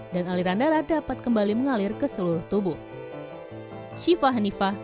dan aliran darah dapat kembali mengalir ke seluruh tubuh